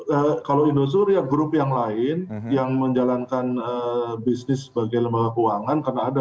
ya kalau industri ya grup yang lain yang menjalankan bisnis sebagai lembaga keuangan karena ada